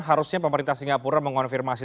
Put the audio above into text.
harusnya pemerintah singapura mengonfirmasi